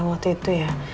waktu itu ya